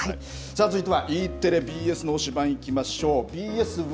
続いてはＢＳ、Ｅテレの推しバン！いきましょう。